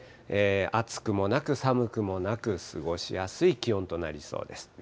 暑くもなく寒くもなく、過ごしやすい気温となりそうです。